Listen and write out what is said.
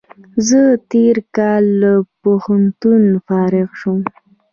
زه تېر کال له پوهنتون فارغ شوم